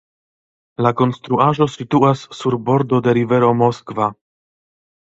La konstruaĵo situas sur bordo de rivero Moskva.